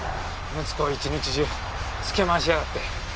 睦子を一日中つけ回しやがって。